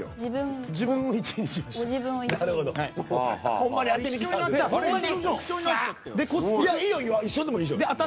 自分を１位にしました。